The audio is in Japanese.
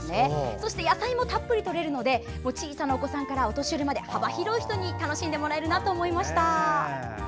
そして野菜もたっぷりとれるので小さなお子さんからお年寄りまで幅広い人に楽しんでもらえるなと思いました。